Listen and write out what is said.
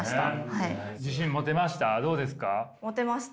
自信持てました？